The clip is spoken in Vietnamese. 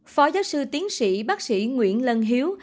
phó giáo sư tiến sĩ bác sĩ nguyễn lân hiếu